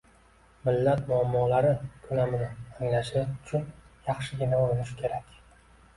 millat muammolari ko‘lamini anglashi uchun yaxshigina urinishi kerak.